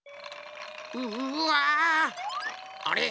うわ！あれ？